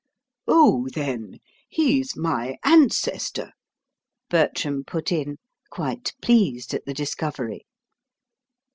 "Oh, then, he's my ancestor," Bertram put in, quite pleased at the discovery.